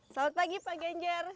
selamat pagi pak ganjar